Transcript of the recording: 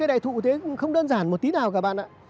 cây đại thụ thế không đơn giản một tí nào các bạn ạ